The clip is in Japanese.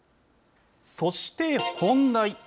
そして、本題。